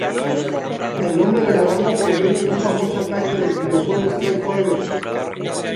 El nombre de la banda proviene de un famoso ataque del videojuego Street Fighter.